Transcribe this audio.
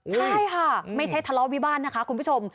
ใช่ค่ะไม่ใช่ทะเลาะวิวาลนะคะคุณผู้ชม